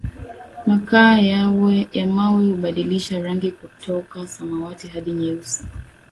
makaa ya mawe hubadilisha rangi kutoka samawati hadi nyeusi